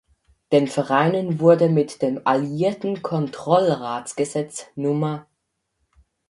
Den Vereinen wurde mit dem Alliierten Kontrollratsgesetz Nr.